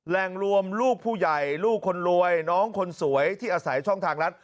รวมลูกผู้ใหญ่ลูกคนรวยน้องคนสวยที่อาศัยช่องทางรัฐ